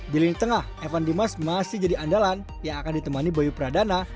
di lini tengah evan dimas masih jadi andalan yang akan ditemani bayu pradana